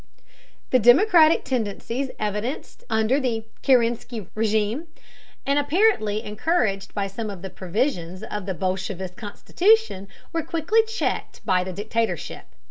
The democratic tendencies evidenced under the Kerensky regime, and apparently encouraged by some of the provisions of the bolshevist constitution, were quickly checked by the dictatorship.